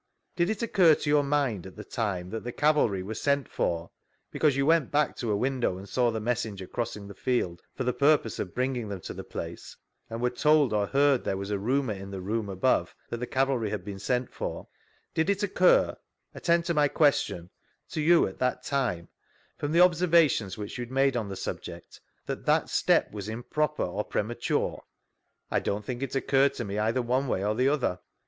Did it occur to your mind at the time that the cavalry were sent for (because you went back to a window, and saw the messenger crossing the field, for the purpose of bringing them to the place, and were tcdd or beard there was a rumour in the room ■V Google STANLEY'S EVIDENCE 35 above, that tbe cavalry had been sent jot) did it occur (attend to my question) to you, at the time, from the observations which you had made on the subject, that that step was improper or prema ture ?— I don't think it occurred to me eiAer one way or the other.